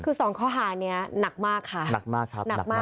คือสองข้อหานี้หนักมากค่ะหนักมากครับหนักมาก